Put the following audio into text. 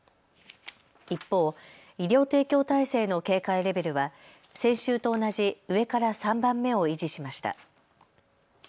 一方、医療提供体制の警戒レベルは先週と同じ上から３番目を維持しました。